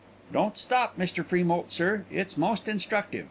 "Don't stop, Mr. Freemoult, sir; it's most instructive.